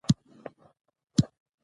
د تېښتې ناکامې هڅې وروسته